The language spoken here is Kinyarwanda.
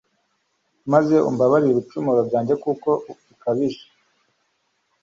maze umbabarire ibicumuro byanjye, kuko bikabije